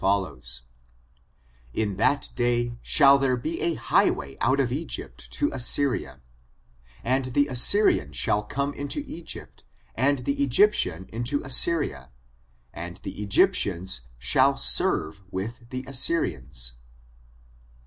follows : "In that day shall there be a highway out of Egypt to Assyria, and the Assyrian shall come into Egypt, and the Eg3rptian into Assyria ; and the Egyp tians shall serve with the Assyrians."